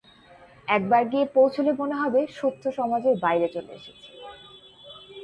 একবার গিয়ে পৌঁছলে মনে হবে সত্যসমাজের বাইরে চলে এসেছি।